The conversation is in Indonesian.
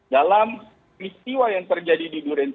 dalam peristiwa yang terjadi di durian